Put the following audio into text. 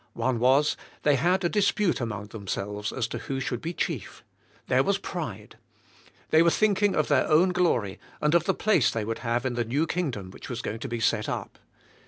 One was, thev had a dis pute among themselves as to who should be chief; there was pride. They were thinking of their own glory, and of the place they would have in the new kingdom which was going to be set up.